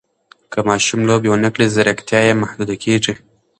که ماشوم لوبې ونه کړي، ځیرکتیا یې محدوده کېږي.